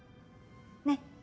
ねっ。